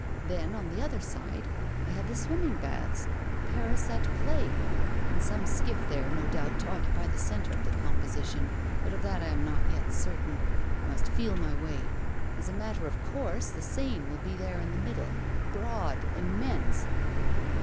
Then on the other side I have the swimming baths Paris at play and some skiff there, no doubt, to occupy the centre of the composition; but of that I am not as yet certain. I must feel my way. As a matter of course, the Seine will be in the middle, broad, immense.